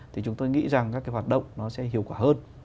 thì chúng tôi nghĩ rằng các cái hoạt động nó sẽ hiệu quả hơn